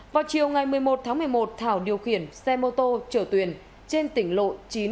vào chiều ngày một mươi một tháng một mươi một thảo điều khiển xe mô tô trở tuyền trên tỉnh lộ chín trăm bốn mươi một